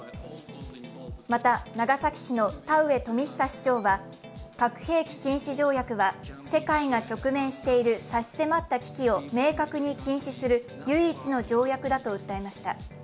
また長崎市の田上富久市長は核兵器禁止条約は世界が直面している差し迫った危機を明確に禁止する唯一の条約だと訴えました。